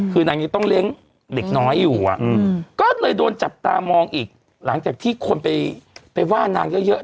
คือนางยังต้องเลี้ยงเด็กน้อยอยู่ก็เลยโดนจับตามองอีกหลังจากที่คนไปว่านางเยอะ